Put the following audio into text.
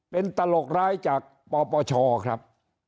เป็นตลกร้ายจากปปชครับ